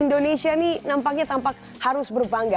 indonesia ini nampaknya tampak harus berbangga